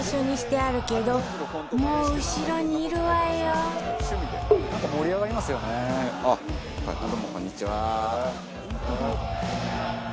あっどうもこんにちは。